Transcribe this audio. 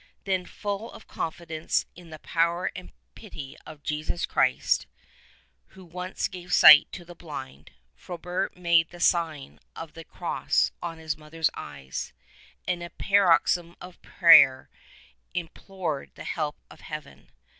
Then full of confidence in the power and pity of Jesus Christ, who once gave sight to the blind, Frobert made the sign of the Cross on his mother's eyes, and, in a paroxysm of prayer, im plored the help of Heaven.